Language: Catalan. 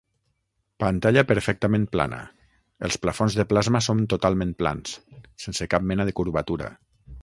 Pantalla perfectament plana: els plafons de Plasma són totalment plans, sense cap mena de curvatura.